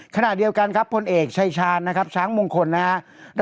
ขณะเดียวกันครับพลเอกชายชาญนะครับช้างมงคลนะครับ